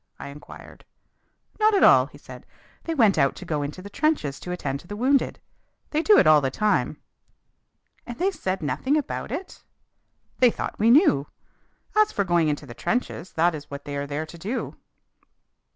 I inquired. "Not at all," he said. "They went out to go into the trenches to attend to the wounded. They do it all the time." "And they said nothing about it!" "They thought we knew. As for going into the trenches, that is what they are there to do."